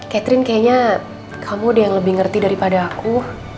catherine kayaknya kamu deh yang lebih ngerti daripada aku